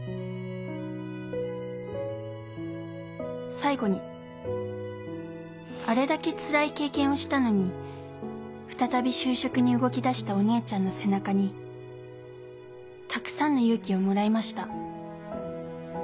「最後にあれだけ辛い経験をしたのに再び就職に動き出したお姉ちゃんの背中にたくさんの勇気を貰いました」。